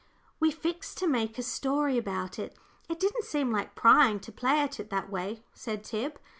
"We fixed to make a story about it. It didn't seem like prying to play at it that way," said Tib.